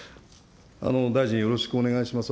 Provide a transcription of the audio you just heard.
大臣、よろしくお願いします。